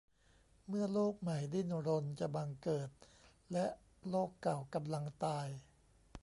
เมื่อโลกใหม่ดิ้นรนจะบังเกิด และโลกเก่ากำลังตาย ?